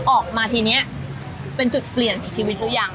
ออกมาทีนี้เป็นจุดเปลี่ยนของชีวิตหรือยัง